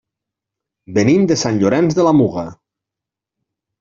Venim de Sant Llorenç de la Muga.